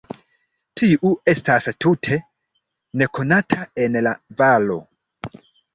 Tiu estas tute nekonata en la valo.